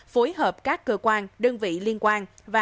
phối hợp các cơ quan đơn vị liên quan